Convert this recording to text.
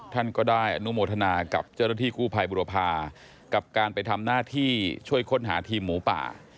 ท่านก็ได้อนุโมทนากับเจ้าหน้าที่กู้ภัยบุรพากับการไปทำหน้าที่ช่วยค้นหาทีมหมูป่า